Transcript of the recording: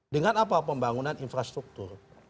dengan apa pembangunan infrastruktur